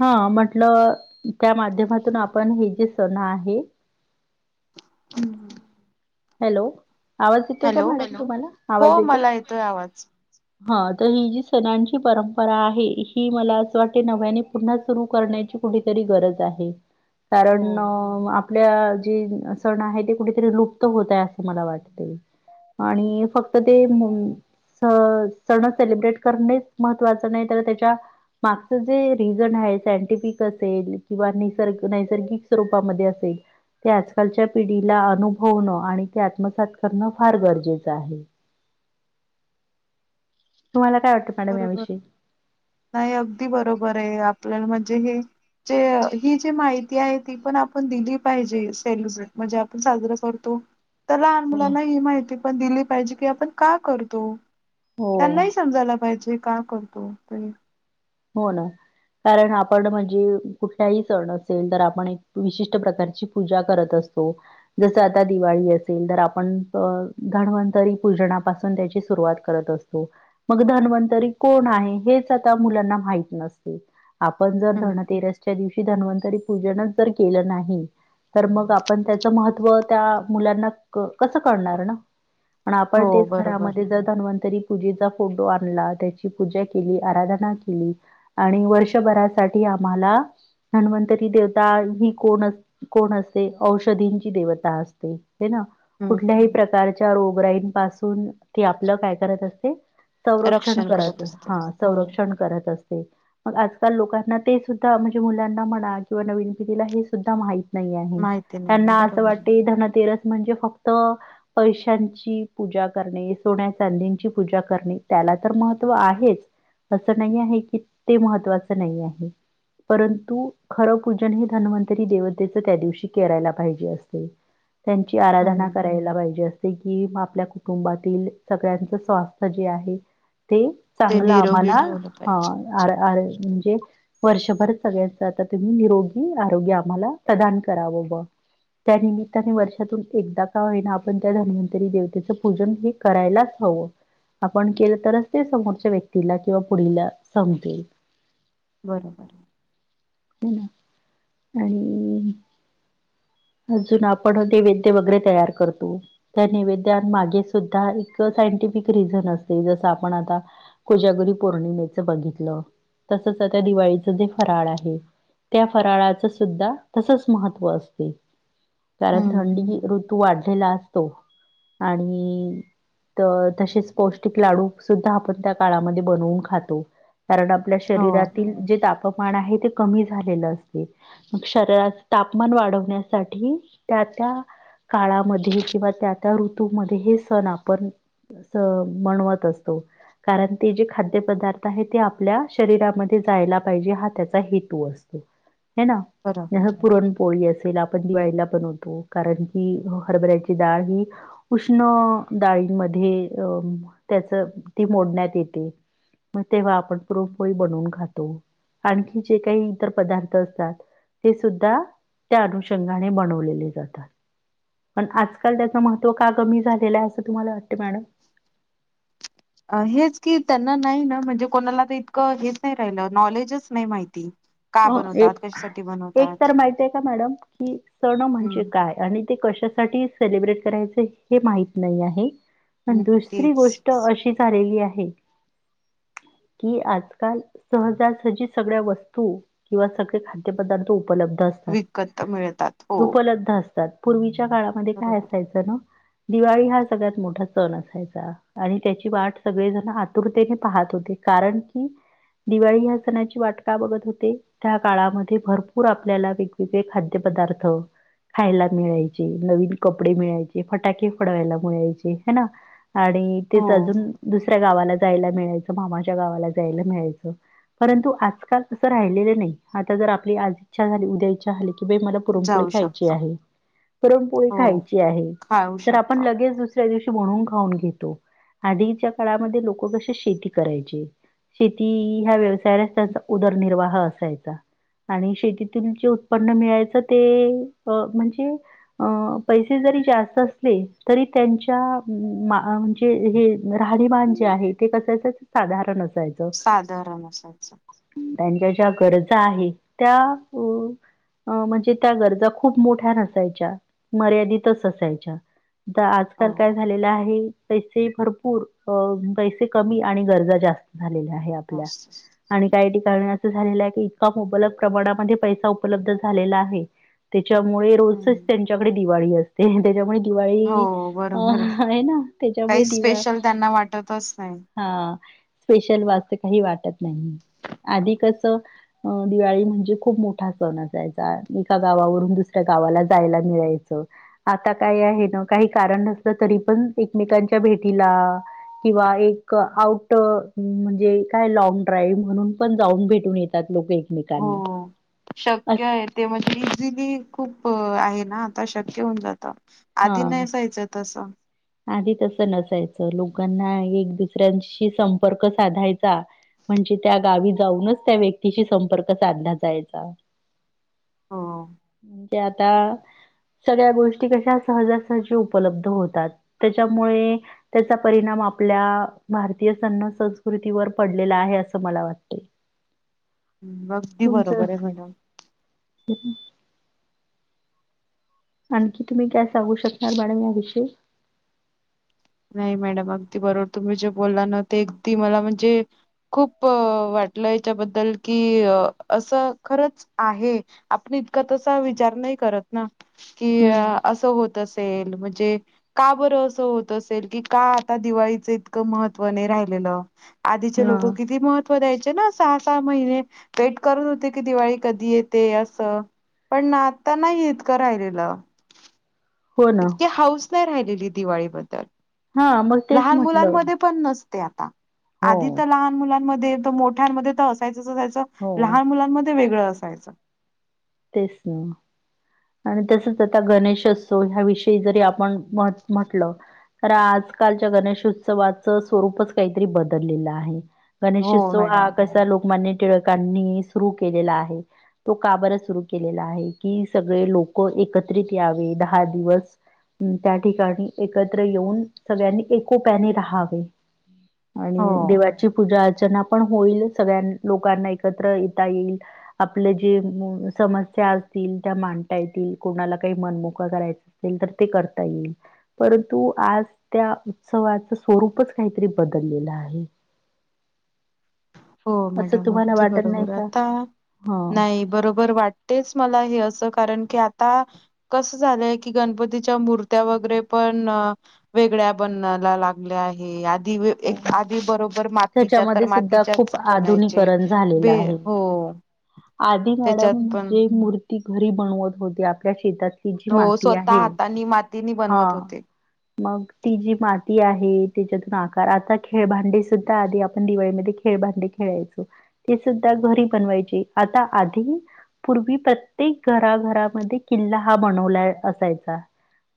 हा म्हटलं त्या माध्यमातून आपण हे जे सण आहे. हम् हॅलो आवाज येतो काय हॅलो मॅडम तुम्हाला आवाज हो येत. मला येतोय आवाज हा तर ही जी सणांची परंपरा आहे ही मला असं वाटते नव्याने पुन्हा सुरू करण्याची कुठेतरी गरज आहे. हो. कारण आपल्या जे सण आहे ते कुठेतरी लुपत होतय असं मला वाटते आणि फक्त ते सण सेलिब्रेट करणे महत्त्वाच नाही तर त्याच्या मागचं जे रिझन आहे सायंटिफिक असेल किंवा निसर्ग नैसर्गिक स्वरूपामध्ये असेल. ते आजकालच्या पिढीला अनु होणं आणि ते आत्मसात करणं फार गरजेचं आहे. तुमला काय वातं बरोबर नाही अगदी बरोबर आहे आपल्याला म्हणजे हे ज ही जी माहिती आहे ती पण आपण दिली पाहिजे. सेलिब्रेट म्हणजे आपण साजर करतो तर लहान हो मुलांनाही माहिती दिली पाहिजे की आपण का करतो हो त्यांना समजायला पाहिजे का करतो ते हो ना कारण आपण म्हणजे कुठलाही सण असेल तर आपण एक विशिष्ट प्रकारची पूजा करत असतो. जस आता दिवाळी असेल तर आपण धन्वंतरी पूजनापासून त्याची सुरुवात करत असतो मग धनवंतरी कोण आहे हेच आता मुलांना माहित नसते आपण जर हम्म धनतेरस च्या दिवशी धन्वंतरी पूजनच जर केलं नाही. तर मग आपण त्याचं महत्त्व त्या मुलांना क-कसं करणार ना. पण आपण हो तेच बरोबर घरामध्ये जर धनवंतरी पूजेचा फोटो आणला त्याची पूजा केली आराधना केली. आणि वर्षभरासाठी आम्हाला हन्वंतरी देवता ही कोण अस कोण असते औषधींची देवता असते हे ना. हम्म कुठल्याही प्रकारच्या रोगराईन पासून ति आपलं काय करत असते. संरक्षण रक्षण करत असते हा हो. संरक्षण करत असत. मग आजकाल लोकांना ते सुद्धा म्हणजे मुलांना म्हणा किंवा नवीन पिढीला हे सुद्धा माहित नाही आहे माहिती नाहीये त्यांना असं बरोबर आहे वाटते धनतेरस म्हणजे फक्त पैशांची पूजा करणे सोन्या चांदींची पूजा करणे त्याला तर महत्त्व आहेच. असं नाही आहे की ते महत्वाचं नाही आहे. परंतु खरं पूजन हे धन्वंतरी देवतेचं त्या दिवशी करायला पाहिजे असते त्यांची आराधना हम्म करायला पाहिजे असते. की आपल्या कुटुंबातील सगळ्यांच स्वास्थ्य जे आहे ते ते चांगला निरोगी आम्हाला ठेवलं ह पाहिजे आर-आर म्हणजे वर्षभर सगळ्यांच आता तुम्ही निरोगी आरोग्य आम्हाला प्रदान करावं ब त्यानिमित्ताने वर्षातून एकदा का होईना आपण त्या धन्वंतरी देवतेचं पूजन हे करायलाच हवं आपण केलं तरच ते समोरच्या व्यक्तीला किंवा पुढला समजेल बरोबरं ह ना आणि अजून आपण नैवेद्य वगैरे तयार करतो त्या नैवेद्या मागे सुद्धा एक सायंटिफिक रिझन असते जसं आपण आता कोजागुरी पौर्णिमेच बघितलं तसच त्या दिवाळीचं जे फराळ आहे. त्या फराळाच सुद्धा तसच महत्त्व असते कारण हम्म थंडी तू वाढलेला असतो आणि तर तसेच पौष्टिक लाडू सुद्धा आपण त्या काळामध्ये बनवून खातो कारण आपल्या हो शरीरातील जे तापमान आहे ते कमी झालेलं असते. शरीराच तापमान वाढवण्यासाठी त्या त्या काळामध्ये किंवा त्या त्या ऋतूमध्ये हे सण आपण म्हणवत असतो कारण ते जे खाद्यपदार्थ ते आपल्या शरीरामध्ये जायला पाहिजे हा त्याचा हेतू असतो ह ना बरोबर. ज पुरण पोळी असेल आपण दिवाळीला बनवतो कारण की हरभऱ्याची डाळ ही उष्ण डाळींमध्ये अं त्याचं ती मोडण्यात येते. मग तेव्हा आपण पुरणपोळी बनवून खातो आणखी जे काही इतर पदार्थ असतात ते सुद्धा त्या अनुषंगाने बनवलेले जातात. पण आजकाल त्याच महत्त्व का कमी झालेलं आहे असं तुम्हाला वाटतं मॅडम हेच की त्यांना नाही ना म्हणजे कोणाला तर इतकं हेच नाही राहिलं नॉलेजच नाही माहिती का हो बनवतात एक कशासाठी एक बनवतात तर माहतीय का मॅडम की सणं म्हणजे हम्म काय? आणि ते कशासाठी सेलिब्रेट करायचं हे माहित नाही आहे. पण हम्म दुसरी तेच. गोष्ट अशी झालेली आहे. कि आजकाल सहजासहजी सगळ्या वस्तू किंवा सगळे खाद्यपदार्थ उपलब्ध असतात विकत मिळतात हो उपलब्ध असतात. पूर्वीच्या काळामध्ये काय बरोबर असायचं ना दिवाळी हा सगळ्यात मोठा सण असायचा. आणि त्याची वाट सगळेजण आतुरतेने पाहत होते कारण की दिवाळी ह्या सणाची वाटका बघत होते. त्या काळामध्ये भरपूर आपल्याला वेगवेगळे खाद्यपदार्थ खायला मिळायचे नवीन कपडे मिळायचे फटाके फडवायला मिळायचे ह ना. आणि हो तेच अजून दुसऱ्या गावा जायला मियच मामाच्या गावा जाय मि परंतु आजकाल अस राहि नाही आता जर आपली आज इच्छा झाली उद्या इच्छा झाली की मला रपोळी जाऊ खायची शकतो आहे पुरणपोळी हो खायची आहे खाऊ तर आपण शकतो लगेच दुस दुस्या दिवशी म्हणून खाऊन घेतो आधीच्या काळामध्ये लोक कसे शेती करायचे शेती ह्या व्यवसायालाच त्याचा उदरनिर्वाह असायचा आणि शेतीतील जे उत्पन्न मिळायचं ते अ म्हणजे अ पैसे जरी जास्त असले तरी त्यांच्या जे हे राहणीमान जे आहे ते कसायच साधारण असायच साधारण असायचं त्यांच्या ज्या गरजा आहेत त्या अ म्हणजे त्या गरजा खूप मोठ्या नसाायच्या मर्यादितच असायच्या तर हो आजकाल काय झालेलं आहे पैसे भरपूर अ पैसे कमी आणि गरजा जास्त झालेल्या आहे आपल्या मस्त आणि काही ठिकाण इतबलक प्रमाणा प उपलब्ध झालेला आहे त्यामुळे रोजच हम्म त्यांच्याकडे दिवाळी असते त्याच्यामुळे दिवाळी हो अ बरोबर आहे ना त्याच्यामुळे काही दिवा स्पेशल त्यांना वाटतच नाही हा स्पेशल वास्त काही वाटत नाही आधी कस अं दिवाळी म्हणजे खूप मोठा सण असायचा एका गावावरून दुसऱ्या गावाला जायला मिळायचं आता काय आहे ना काही कारण नसलं तरी पण एकमेकांच्या भेटीला किंवा एक आउट म्हणजे काय लॉंग ड्राईव्ह म्हणून पण जाऊन भेटून येतात लोक हो, हो शक्य आहे ते म्हणजे इझिली खूप आहे ना आता शक्य होऊन जातं आधी हां. नसायचं तसं आधी तसं नसायचं लोकांना एक दुसऱ्यांशी संपर्क साधायचा म्हणजे त्या गावी जाऊनच त्या व्यक्तीशी संपर्क साधला जायचा हो ते आता सगळ्या गोष्टी कशा कशा सहजासहजी उपलब्ध होतात त्याच्यामुळे त्याचा परिणाम आपल्या भारतीय सन संस्कृतीवर पडलेला आहे असं मला वाटते [unintelligible] अगदी बरोबर आहे मॅडम कती आणखी तुम्ही काय सांगू शकणार मॅडम याविषयी नाही मॅडम अगदी बरोबर तुम्ही जे बोलला ना ते अगदी मला म्हणजे खूप वाटलं याच्याबद्दल की असं खरंच आहे आपण इतका तसा विचार नाही करत कि हम्म. असं होत असेल म्हणजे का बरं असं होत असेल की का आता दिवाळीच इतकं महत्त्व नाही राहिलेलं आधीचे हा लोक किती महत्व द्यायचे ना सहा, सहा महिने वेट करत होते की दिवाळी कधी येते असं पण आता नाही इतका राहिलेलं हो ना इतकी हाऊस नाही राहिलेली दिवाळीबद्दल, हा मग तेच लहान म्हटलं मुलांमध्ये पण नसते आता हो आधी तर लहान मुलांमध्ये मोठ्यांमध्ये तर असायचच, असायचं हो लहान मुलांमध्ये वेगळं असायचं तेच ना आणि तसच आता गणेशोत्सव ह्या विषयी जरी आपण मत म्हंटलं तर आजकालच्या गणेशोत्सवाचं स्वरूपच काहीतरी बदललेलं आहे हो गणेशोत्सव हा मॅडम. कसा लोकमान्य टिळकांनी सुरू केलेला आहे तो का बर सुरू केलेला आहे कि सगळे लोक एकत्रित यावे दहा दिवस- त्या ठिकाणी एकत्र येऊन सगळ्यांनी एकोप्याने राहावे. हो आणि देवाची पुजा अर्चना पण होईलच- सगळ्या लोकांना एकत्र येता येईल आपलं जे मूळ- समस्या असतील त्या मांडता येतील कोणाला काही मनमोकळं करायचं असेल- असेल तर ते करता येईल परंतु आज त्या उत्सवाचं स्वरूपच काहीतरी बदललेलं आहे [unintelligible] हो असं मॅडम तुम्हाला अगदी वाटत नाही बरोबर का? आता हं. नाही बरोबर वाटत- तेच मला हे असं कारण की आता- कसं झालंय की गणपतीच्या मूर्त्या वगैरे पण- वेगळ्या बनायला लागल्या आहे आधी वेगळ्या- हो. एक आधी बरोबर मातीच्या तर त्याच्यामध्ये सुद्धा मातीच्या- खूप बनायचे आधुनिकरण झालेलं बे आहे. हो- आधी त्याच्यात गडम पण म्हणजे मूर्ती घरी बनवत होती आपल्या शेतात- शेतात त्यांची हो माती स्वतः आहे हातानी मातीनी बनवत हा- होते. मग ती जी माती आहे त्याच्यातून आकार आता खेळभांडे सुद्धा आधी आपण दिवाळीमध्ये खेळभांडे - खेळायचो ते सुद्धा घरी बनवायचे आता आधी- पूर्वी प्रत्येक घरा-घरामध्ये किल्ला हा बनवला असायचा.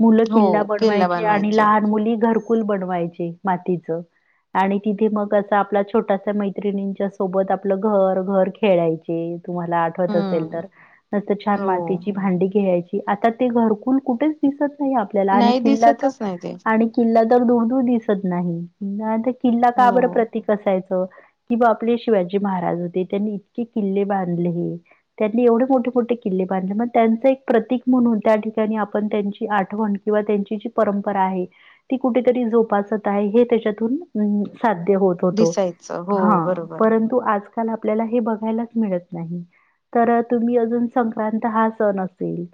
मुलं किल्ला बनवायचे आणि लहान मुली घरकुल बनवायचे मातीच- आणि तिथे मग असं आपल्या छोटाश्या मैत्रिणींच्या सोबत आपलं घर घर खेळायचं. तुम्हाला आठत असेल तर हम्म नर छान हो मातीची भांडी खेळायची ते आता ते घरकुल कुठेच दिसत नाही आपल्याला आणि नाही किल्ला तर दिसतच नाही ते आणि- किल्ला तर दुर, दुर दिसत नाही तर किल्ला का हो बर प्रतीक असायचा- कि बा आपले शिवाजी महाराज होते त्यांनी इतके किल्ले बांधले- त्यांनी एवढे मोठे मोठे किल्ले बांधले मग त्यांचं एक प्रतीक म्हणून त्या ठिकाणी आपण त्यांची आठवण- किंवा त्यांची जी परंपरा आहे- ती कुठेतरी जोपासत आहे हे त्याच्यातून साध्य होत दिसायचं हो ह बरोबर परंतु आजकाल आपल्याला हे बघायला त नाही तर तुम्ही अजून संक्रांत हा सण असेल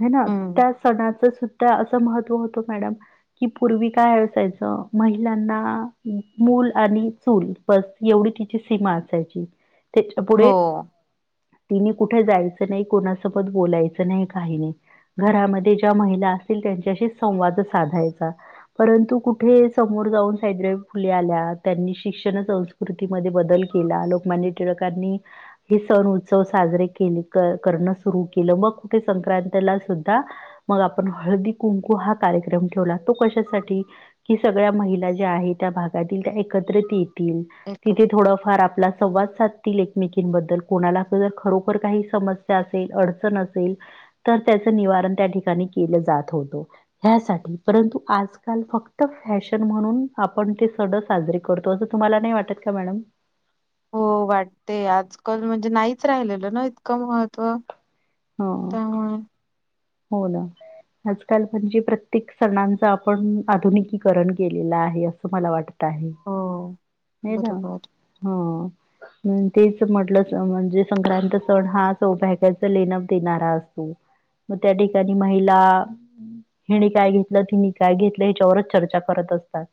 ह ना हम्म त्या सणाचं सुद्धा असं महत्त्व होतं मॅडम कि पूर्वी काय असायचं महिलांना मूल आणि चूल- बस एवढी तिची सीमा असायची त्याच्या हो पुढे- तिने कुठे जायचं नाही कोणासोबत बोलायचं नाही, काही नाही. घरामध्ये ज्या महिला असतील त्यांच्याशी संवाद साधायचा- परंतु कुठे समोर जाऊन सावित्रीबाई फुले आल्या त्यांनी शिक्षणाच- कृतीमध्ये बदल केला, लोकमान्य टिळकांनी- हे सण उत्सव साजरे केले करणं सुरू केलं मग कुठे संक्रांतीला सुद्धा मग आपण हळदी कुंकू हा कार्यक्रम ठेवला तो कशासाठी की सगळ्या महिला ज्या आहेत त्या भागातील त्या एकत्रित येतील एक तिथे थोडंफार आपला संवाद साधतील एकमेकी बद्दल कोणाला खरोखर काही समस्या असेल अडचण असेल तर त्याचं निवारण त्या ठिकाणी केलं जात होतं ह्यासाठी परंतु आजकाल फक्त फॅशन म्हणून आपण ते सडं साजरे करतो असं तुम्हाला नाही वाटत का मॅडम हो वाटते आजकाल म्हणजे नाहीच राहिलेलं ना इतकं महत्त्व. हा त्यामुळे हो ना. आजकाल म्हणजे प्रत्येक सणांच आपण आधुनिकीकरण केलेलं आहे असं मला वाटत. ट आहे हो नाही ना. बरोबर हो हं तेच म्हटलंच अ म्हणजे संक्रांत सण हा सौभाग्याचं लेण. देणारा असतो मग त्या ठिकाणी महिला. हिने काय घेतलं तिने काय घेतलं ह्याच्यावरच चर्चा करत असतात.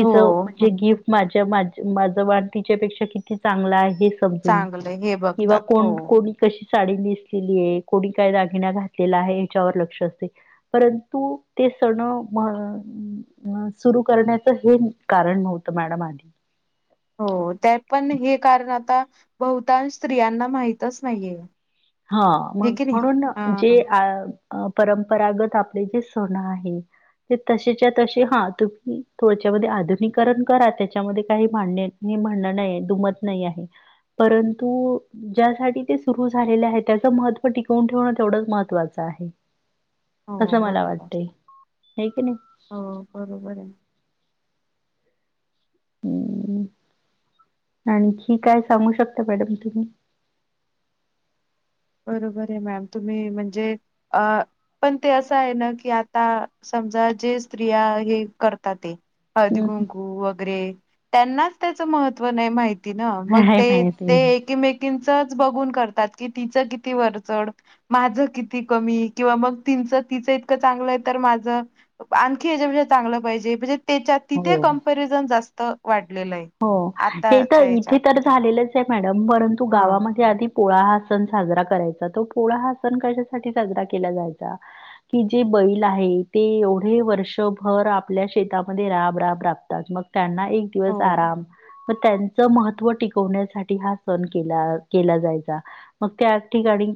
हो म्हणजे गिफ्ट माझ्या माझं माझं वाण तिच्यापेक्षा किती चांगलं आहे हेच. समजून चांगलं हे किंवा बघतात हो कोण कोणी कशी साडी नेसली. ली कोणी काय दागिणा घातलेला आहे ह्याच्यावर लक्ष असतेय. परंतु ते सण म्हण. अ सुरू करण्याचं हे कारण नव्हतं मॅडम आधी. हो त्या पण हे कारण आता बहुतांश स्त्रियांना माहितच नाहीये. हा हे मग की नाही म्हणून हा जे अ''--'' अ परंपरागत आपले जे सण आहे. ते तसेच्या तसे हा तुम्ही थोडच्यामध्ये आधुनिककरण करा त्याच्यामध्ये काही मांडणे. मी म्हण नाही दुमत नाही आहे परंतु ज्यासाठी सुरू झा. हे लय हाय त्याचं महत्व टिकवून ठेवं तेवढंच महत्वाचं आहे. हो असं मला बरोबर वाटतय नाही की नाही. हो बरोबर आहे. हम् आणखी काय सांगू शकता मॅडम तुम्ही. बरोबर आहे मॅम तुम्ही म्हणजे अ''--'' पण ते असं आहे ना की आता समजा जे स्त्रिया हे करतात ते. हळदी हं, हं. कुंकू वगैरे त्यांनाच त्याचं महत्त्व नाही माहिती. मग नाही ते ते माहिती. एकीमेकीचच बघून करतात कि तिचं किती वरचड. माझं किती कमी किंवा मग तिचं तिचं इतकं चांगलं आहे तर माझ. अ ब आणखी हच्याे चांगलं पाहिजे म्हणजे त्याच्या तिथे हो. कंपेरिझन जास्त वाढलेलं आहे. हो हे आताच्या तर इथे तर ह्याच्यामध्ये. झालेलंच आहे मॅडम परंतु हां, गावामध्ये आधी. पोळा ह सण साजरा करायचा तो पोळा ह सण कशासाठी साजरा केला जायचा. की जे बैल आहे ते एवढे वर्षभर आपल्या शेतामध्ये राब राब राबतात मग. त्यांना एक दिवस. हो. आराम. म त्यांचं महत्त्व टिकवण्यासाठी हा सण केला केला जायचा. मग त्या ठिकाणी.